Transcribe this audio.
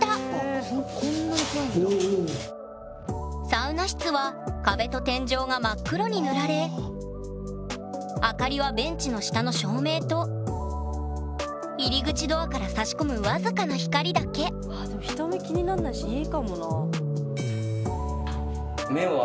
サウナ室は壁と天井が真っ黒に塗られ明かりはベンチの下の照明と入り口ドアからさし込む僅かな光だけでも人が気になんないしいいかもな。